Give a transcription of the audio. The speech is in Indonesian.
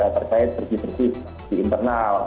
terkait bersih bersih di internal